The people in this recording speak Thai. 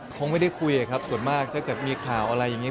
คงไม่ได้คุยครับส่วนมากถ้าเกิดมีข่าวอะไรอย่างนี้